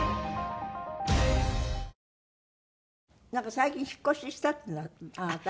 最近引っ越ししたっていうのはあなた？